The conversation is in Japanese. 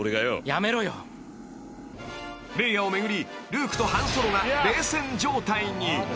［レイアを巡りルークとハン・ソロが冷戦状態に］